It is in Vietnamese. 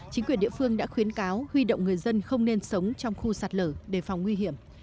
chính quyền địa phương đã khuyến cáo huy động người dân không nên sống trong khu sạt lở để phòng nguy hiểm